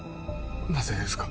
なぜですか？